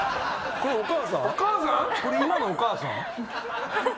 これ今のお母さん？